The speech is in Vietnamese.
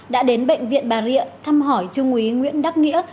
đã đến bệnh viện bà rịa thăm hỏi chương quý nguyễn đắc nghĩa